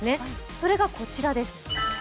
それがこちらです。